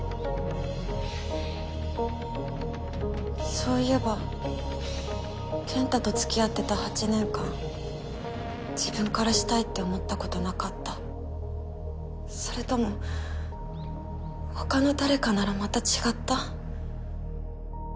そういえば健太とつきあってた８年間自分から「したい」って思ったことなかったそれともほかの誰かならまた違った？